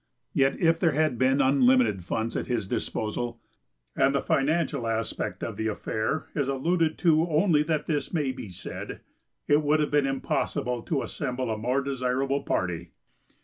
Yet if there had been unlimited funds at his disposal and the financial aspect of the affair is alluded to only that this may be said it would have been impossible to assemble a more desirable party.